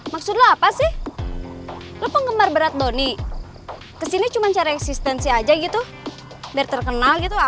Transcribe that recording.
maksud lo apa sih lo penggemar berat donny kesini cuma cari eksistensi aja gitu biar terkenal gitu